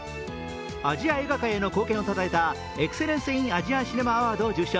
アジア映画界への貢献をたたえたエクセレンス・イン・アジアン・シネマ・アワードを受賞